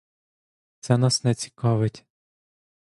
Це нас не цікавить.